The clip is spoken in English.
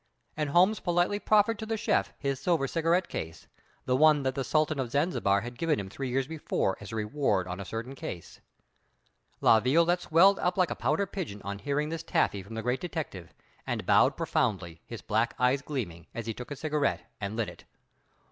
And Holmes politely proffered to the chef his silver cigarette case, the one that the Sultan of Zanzibar had given him three years before as a reward on a certain case. La Violette swelled up like a pouter pigeon on hearing this taffy from the great detective, and bowed profoundly, his black eyes gleaming, as he took a cigarette and lit it.